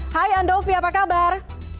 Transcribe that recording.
hai andovi apa kabar